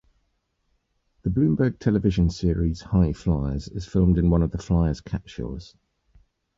The Bloomberg Television series "High Flyers" is filmed in one of the Flyer's capsules.